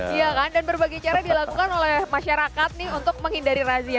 iya kan dan berbagai cara dilakukan oleh masyarakat nih untuk menghindari razia